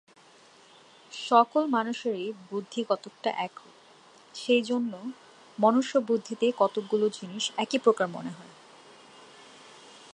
সকল মানুষেরই বুদ্ধি কতকটা একরূপ, সেইজন্য মনুষ্যবুদ্ধিতে কতকগুলি জিনিষ একই প্রকার মনে হয়।